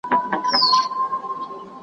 تا خو لیدې د خزانونو له چپاوه کډي .